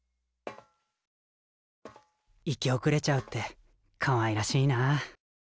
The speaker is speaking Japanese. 行き遅れちゃうってかわいらしいなあ。